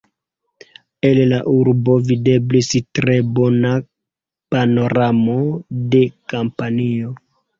El la urbo videblis tre bona panoramo de Kampanio.